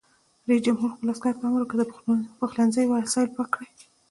رئیس جمهور خپلو عسکرو ته امر وکړ؛ د پخلنځي وسایل پاک کړئ!